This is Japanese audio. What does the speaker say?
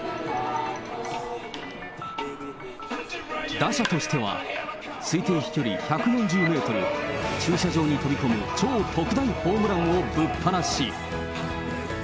打者としては、推定飛距離１４０メートル、駐車場に飛び込む超特大ホームランをぶっ放し。